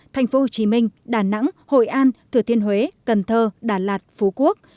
tp hcm đà nẵng hội an thừa thiên huế cần thơ đà lạt phú quốc